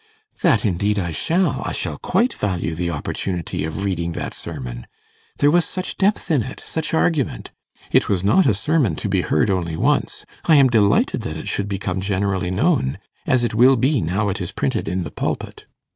'That indeed I shall. I shall quite value the opportunity of reading that sermon. There was such depth in it! such argument! It was not a sermon to be heard only once. I am delighted that it should become generally known, as it will be now it is printed in "The Pulpit."